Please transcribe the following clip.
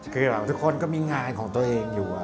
คือทุกคนก็มีงานของตัวเองอยู่